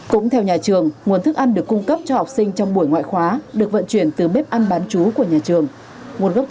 cũng theo nhà trường nguồn thức ăn được cung cấp cho học sinh trong buổi ngoại khóa được vận chuyển từ bếp ăn bán chú của nhà trường